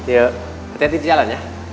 ya hati hati di jalan ya